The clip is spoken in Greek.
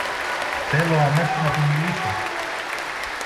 Θέλω αμέσως να του μιλήσω!